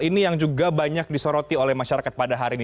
ini yang juga banyak disoroti oleh masyarakat pada hari ini